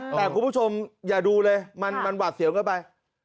แต่คุณผู้ชมอย่าดูเลยมันหวาดเสียวเกินไป